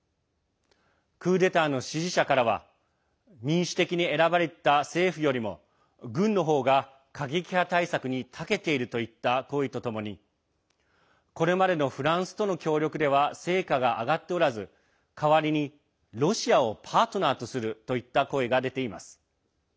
クーデターの支持者からは民主的に選ばれた政府よりも軍の方が過激派対策にたけているといった声とともにこれまでのフランスとの協力では成果があがっておらず代わりに、ロシアをパートナーとするといった声が出ています。